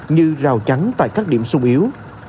như rào trắng tại các điểm sung yếu